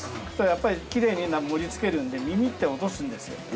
やっぱりきれいに盛り付けるんで耳って落とすんですよ。